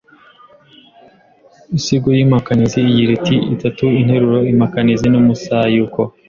Iisigo y’impakanizi igira iie itatu: Interuro impakanizi n’umusayuko